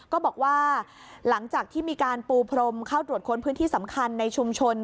ก็บอกว่าหลังจากที่มีการปูพรมเข้าตรวจค้นพื้นที่สำคัญในชุมชน